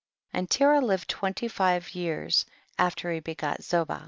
32. And Terah lived twenty five years after he begat Zoba.